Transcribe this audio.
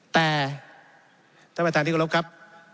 แต่ท่านประธานที่กรบครับ